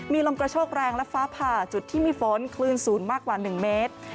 มีลมกระโชกแรงและฟ้าผ่าจุดที่มีฝนคลื่นสูงมากกว่า๑เมตร